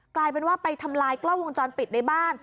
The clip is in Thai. กลายเป็นว่าไปทำลายกล้องวงจรปิดในบ้าน